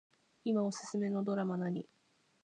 いまおすすめのドラマ何